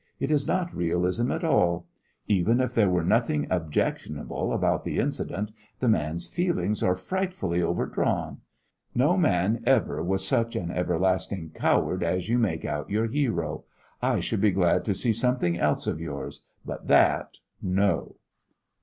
It is not realism at all. Even if there were nothing objectionable about the incident, the man's feelings are frightfully overdrawn. No man ever was such an everlasting coward as you make out your hero! I should be glad to see something else of yours but that, no!"